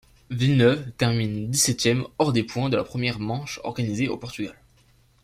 Villeneuve termine dix-septième, hors des points, de la première manche organisée au Portugal.